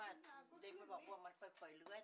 เห็นว่าเด็กมันบอกว่ามันเผื่อเลือด